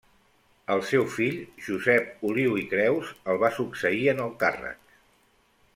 El seu fill, Josep Oliu i Creus, el va succeir en el càrrec.